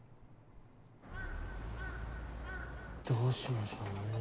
どうしましょうね。